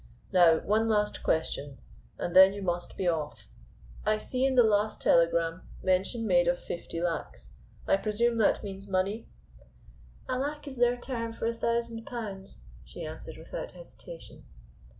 Now, one last question, and then you must be off. I see in the last telegram, mention made of fifty lacs; I presume that means money?" "A lac is their term for a thousand pounds," she answered without hesitation.